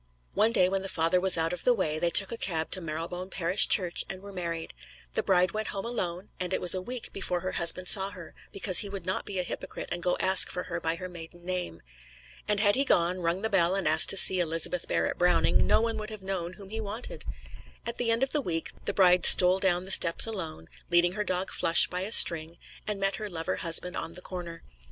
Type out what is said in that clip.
One day when the father was out of the way they took a cab to Marylebone Parish Church and were married. The bride went home alone, and it was a week before her husband saw her; because he would not be a hypocrite and go ask for her by her maiden name. And had he gone, rung the bell and asked to see Elizabeth Barrett Browning, no one would have known whom he wanted. At the end of the week, the bride stole down the steps alone, leading her dog Flush by a string, and met her lover husband on the corner.